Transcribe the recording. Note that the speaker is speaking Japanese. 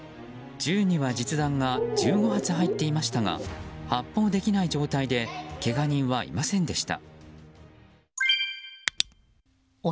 銃には実弾が１５発入っていましたが発砲できない状態でけが人はいませんでした。